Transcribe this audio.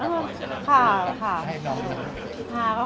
เสียใจอนาคต